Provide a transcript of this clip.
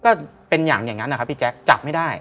ก็เป็นอย่างนั้นนะครับพี่แจ๊คจับไม่ได้